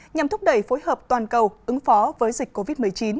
nhằm thúc đẩy phối hợp toàn cầu ứng phó với dịch covid một mươi chín